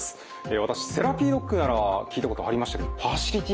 私セラピードッグなら聞いたことありましたけどファシリティ